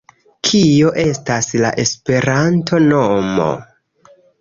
- Kio estas la Esperanto-nomo?